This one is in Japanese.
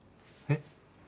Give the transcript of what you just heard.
えっ？